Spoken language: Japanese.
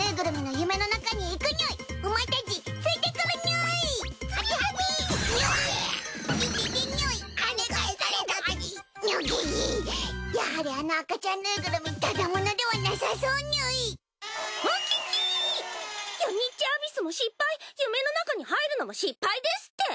ゆにっちアビスも失敗夢の中に入るのも失敗ですって！？